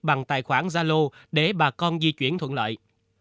bằng tài khoản zalo để bà con di chuyển thuận lợi